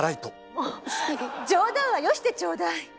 もう冗談はよしてちょうだい！